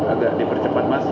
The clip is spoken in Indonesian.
agak dipercepat mas